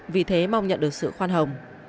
vì thế mong nhận được sự khoan hồng